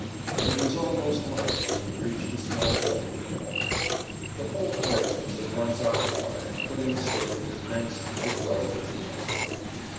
It was almost light when we reached a small village and halted. The whole place was at once occupied and put in a state of defense as well as was possible.